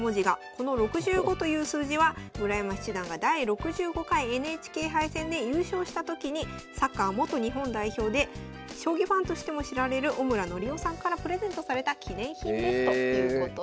この６５という数字は村山七段が第６５回ＮＨＫ杯戦で優勝したときにサッカー元日本代表で将棋ファンとしても知られる小村徳男さんからプレゼントされた記念品ですということです。